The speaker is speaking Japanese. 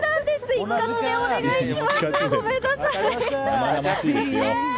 一括でお願いします！